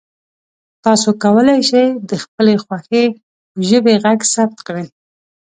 تاسو کولی شئ د خپلې خوښې ژبې غږ ثبت کړئ.